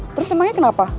terus emangnya kenapa